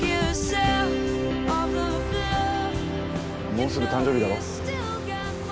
もうすぐ誕生日だろ？